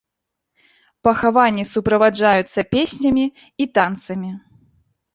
Пахаванні суправаджаюцца песнямі і танцамі.